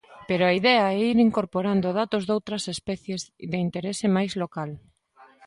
Pero a idea é ir incorporando datos doutras especies de interese máis local.